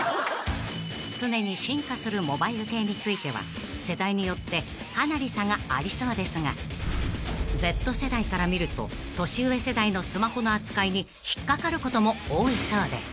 ［常に進化するモバイル系については世代によってかなり差がありそうですがＺ世代から見ると年上世代のスマホの扱いに引っ掛かることも多いそうで］